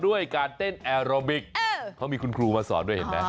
ด้วยการเต้นแอโรบิกเขามีคุณครูมาสอนด้วยเห็นไหม